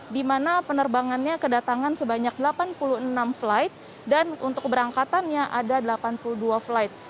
di mana penerbangannya kedatangan sebanyak delapan puluh enam flight dan untuk keberangkatannya ada delapan puluh dua flight